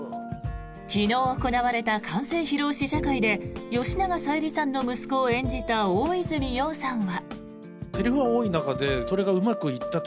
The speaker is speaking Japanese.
昨日行われた完成披露試写会で吉永小百合さんの息子を演じた大泉洋さんは。